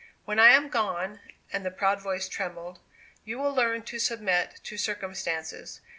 When I am gone," and the proud voice trembled, "you will learn to submit to circumstances.